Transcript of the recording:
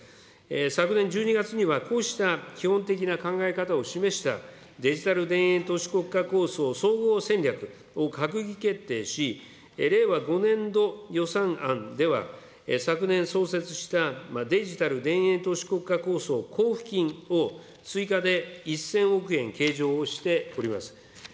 昨年１２月にはこうした基本的な考え方を示した、デジタル田園都市国家構想総合戦略を閣議決定し、令和５年度予算案では昨年創設した、デジタル田園都市国家構想交付金を追加で１０００億円計上をしております。